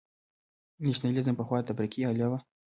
نېشنلېزم پخوا د تفرقې الې وه.